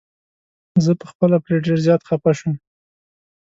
زه په خپله پرې ډير زيات خفه شوم.